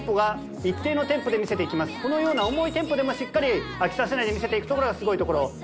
テンポがこのような重いテンポでもしっかり飽きさせないで見せていくところがすごいところ。